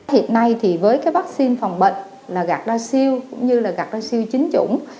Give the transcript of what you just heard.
hiện nay thì với cái vaccine phòng bệnh là gạt đa siêu cũng như là gạt ra siêu chính chủng